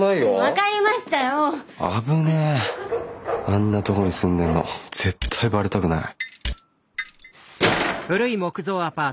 あんなとこに住んでるの絶対バレたくない。